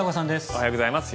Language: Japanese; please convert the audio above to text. おはようございます。